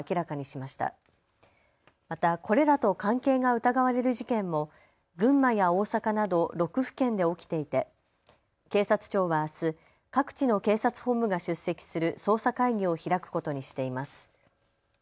またこれらと関係が疑われる事件も群馬や大阪など６府県で起きていて警察庁はあす各地の警察本部が出席する捜査会議を開くことにしています。